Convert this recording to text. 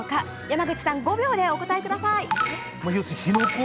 山口さん、５秒でお答えください。